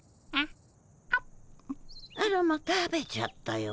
あらま食べちゃったよ。